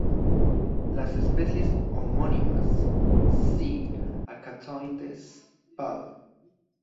Las especies homónimas "C.acanthoides" Pall.